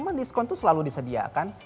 memang diskon itu selalu disediakan